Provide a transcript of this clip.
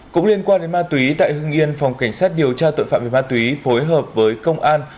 cũng liên quan đến ma túy tại hưng yên phòng cảnh sát điều tra tội phạm về ma túy phối hợp với công an